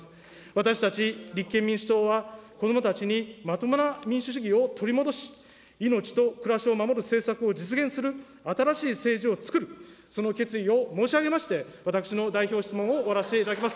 私たち立憲民主党は、子どもたちにまともな民主主義を取り戻し、命と暮らしを守る政策を実現する、新しい政治をつくる、その決意を申し上げまして、私の代表質問を終わらせていただきます。